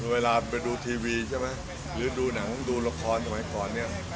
เวลาไปดูทีวีใช่ไหมหรือดูหนังดูละครสมัยก่อนเนี่ย